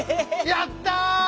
⁉やった！